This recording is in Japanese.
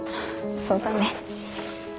そうだね。